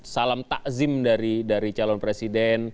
salam takzim dari calon presiden